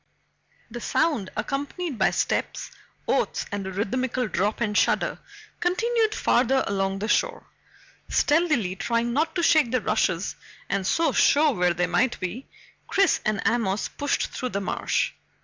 The sound, accompanied by steps, oaths, and a rhythmical drop and shudder, continued farther along the shore. Stealthily, trying not to shake the rushes and so show where they might be, Chris and Amos pushed through the marsh.